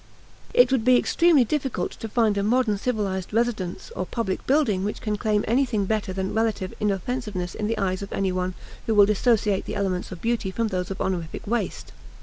It would be extremely difficult to find a modern civilized residence or public building which can claim anything better than relative inoffensiveness in the eyes of anyone who will dissociate the elements of beauty from those of honorific waste.